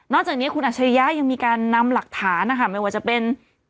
จากนี้คุณอัชริยะยังมีการนำหลักฐานนะคะไม่ว่าจะเป็น